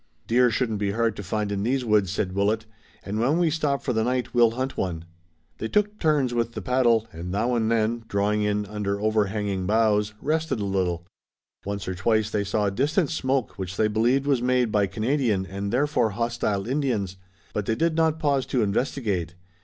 "Deer shouldn't be hard to find in these woods," said Willet, "and when we stop for the night we'll hunt one." They took turns with the paddle, and now and then, drawing in under overhanging boughs, rested a little. Once or twice they saw distant smoke which they believed was made by Canadian and therefore hostile Indians, but they did not pause to investigate.